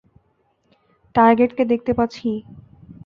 টার্গেটকে দেখতে পাচ্ছি।